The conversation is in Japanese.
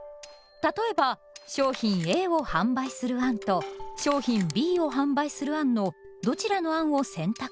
例えば商品Ａを販売する案と商品Ｂを販売する案のどちらの案を選択するか。